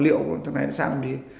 liệu thằng này nó sang làm gì